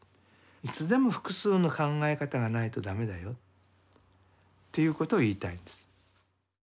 いつでも複数の考え方がないとダメだよっていうことを言いたいんです。